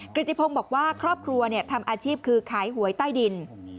ฤติพงศ์บอกว่าครอบครัวทำอาชีพคือขายหวยใต้ดิน